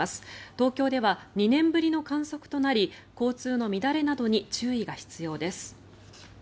東京では２年ぶりの観測となり交通の乱れなどに注意が必要です。